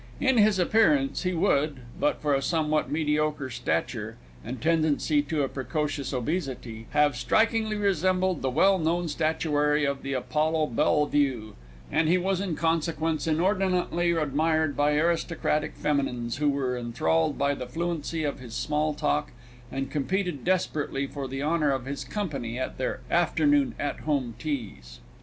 In his appearance he would but for a somewhat mediocre stature and tendency to a precocious obesity have strikingly resembled the well known statuary of the Apollo Bellevue, and he was in consequence inordinately admired by aristocratic feminines, who were enthralled by the fluency of his small talk, and competed desperately for the honour of his company at their "Afternoon At Home Teas."